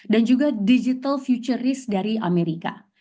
dan juga digital futurist dari amerika